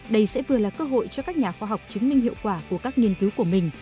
đây sẽ vừa là cơ hội cho các nhà khoa học chứng minh hiệu quả của các nghiên cứu của mình